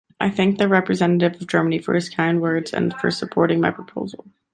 I thank the representative of Germany for his kind words and for supporting my proposal.